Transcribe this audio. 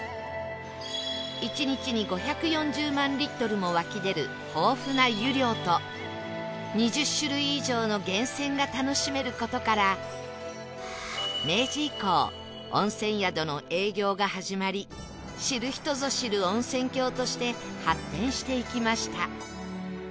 １日に５４０万リットルも湧き出る豊富な湯量と２０種類以上の源泉が楽しめる事から明治以降温泉宿の営業が始まり知る人ぞ知る温泉郷として発展していきました